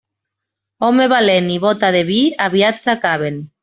Home valent i bóta de vi, aviat s'acaben.